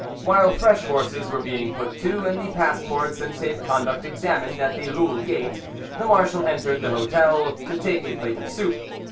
While fresh horses were being put to and the passports and safe conduct examined at the Loulle gate, the marshal entered the hotel to take a plate of soup.